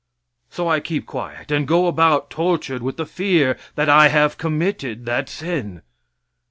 So I keep quiet and go about tortured with the fear that I have committed that sin.